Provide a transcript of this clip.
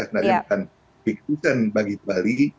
sebenarnya bukan big season bagi bali